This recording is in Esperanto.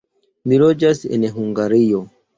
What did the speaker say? Mi loĝas en Hungario.